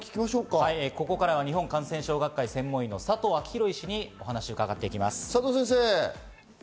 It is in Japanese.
日本感染症学会専門医の佐藤昭裕医師にお話を伺います。